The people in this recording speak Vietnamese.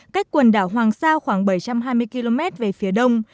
cách quần đảo hoàng sa khoảng bảy trăm hai mươi km về phía đông